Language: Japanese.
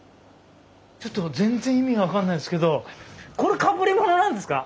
ちょっと全然意味が分かんないんですけどこれかぶりものなんですか？